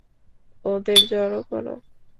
ওদের জড়ো করো।